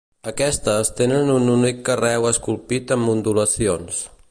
Aquestes, tenen un únic carreu esculpit amb ondulacions.